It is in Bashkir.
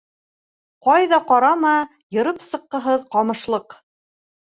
Ҡайҙа ҡарама, йырып сыҡҡыһыҙ ҡамышлыҡ.